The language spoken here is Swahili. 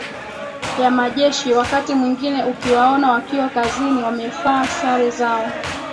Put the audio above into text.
ya majeshi wakati mwingine ukiwaona wakiwa kazini wamefaa sare zao